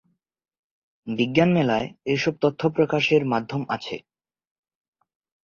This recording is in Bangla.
বিজ্ঞান মেলায় এই সব তথ্য প্রকাশের মাধ্যম আছে।